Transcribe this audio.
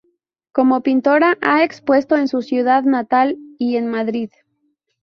Como pintora, ha expuesto en su ciudad natal y en Madrid.